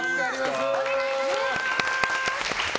お願いいたします！